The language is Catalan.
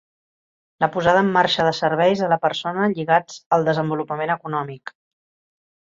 La posada en marxa de serveis a la persona lligats al desenvolupament econòmic.